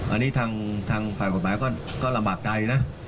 อันนี้ทางฝ่ายกฎหมายก็ลำบากใจนะ